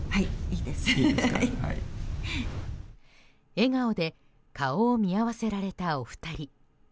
笑顔で顔を見合わせられた、お二人。